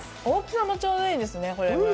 大きさもちょうどいいですね。